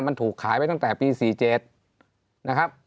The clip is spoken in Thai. มันถูกขายไปตั้งแต่ปี๔๗นะครับ